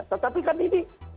tetapi kan ini